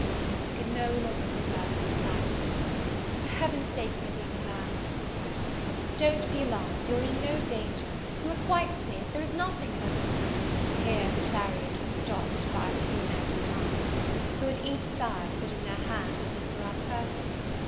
I could no longer preserve my silence. "For Heaven's sake, my dear Madame," said I, "don't be alarmed, you are in no danger, you are quite safe, there is nothing but " Here the chariot was stopped by two men in masks; who at each side put in their hands as if for our purses.